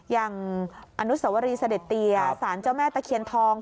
อย่างอนุสวรีเสด็จเตียสารเจ้าแม่ตะเคียนทอง